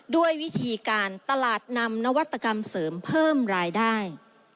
ด้วยวิธีการตลาดนำนวัตกรรมเสริมเพิ่มรายได้